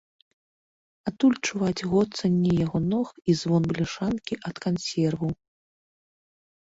Адтуль чуваць гоцанне яго ног і звон бляшанкі ад кансерваў.